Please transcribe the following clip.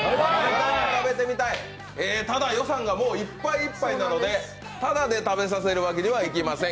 食べてみたい、ただ、予算がもういっぱいっぱいなのでただで食べさせるわけにはいきません。